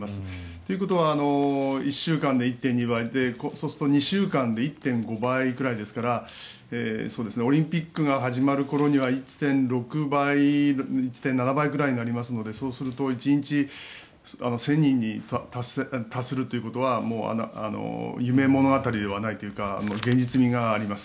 ということは１週間で１．２倍そうすると２週間で１．５倍ぐらいですからオリンピックが始まる頃には１．６倍、１．７倍ぐらいになりますのでそうすると１日１０００人に達するということはもう夢物語ではないというか現実味があります。